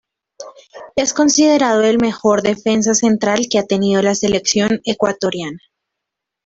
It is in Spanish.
Es considerado el mejor defensa central que ha tenido la Selección Ecuatoriana.